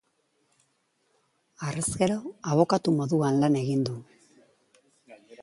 Harrezkero abokatu moduan lan egin du.